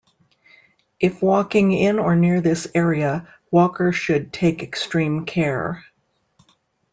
If walking in or near this area, walker should take extreme care.